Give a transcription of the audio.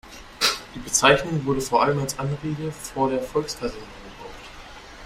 Die Bezeichnung wurde vor allem als Anrede vor der Volksversammlung gebraucht.